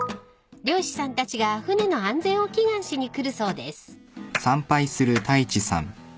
［漁師さんたちが船の安全を祈願しに来るそうです］